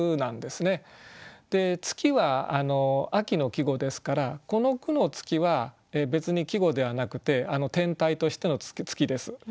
「月」は秋の季語ですからこの句の「月」は別に季語ではなくて天体としての月です。